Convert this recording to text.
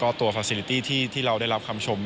เป็นเรื่องของพลิกต่างที่มีระบบที่สมมุติแบบทำให้ทีมทำงานง่าย